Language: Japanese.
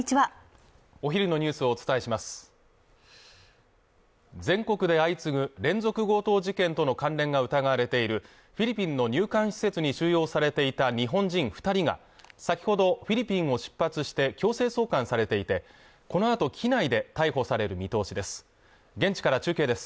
お昼のニュースをお伝えします全国で相次ぐ連続強盗事件との関連が疑われているフィリピンの入管施設に収容されていた日本人二人が先ほどフィリピンを出発して強制送還されていてこのあと機内で逮捕される見通しです